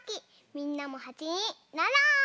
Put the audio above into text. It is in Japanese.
みんなもはちになろう！